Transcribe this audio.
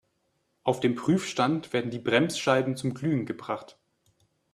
Auf dem Prüfstand werden die Bremsscheiben zum Glühen gebracht.